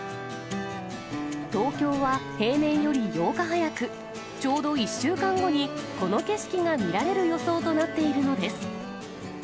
東京は平年より８日早く、ちょうど１週間後にこの景色が見られる予想となっているのです。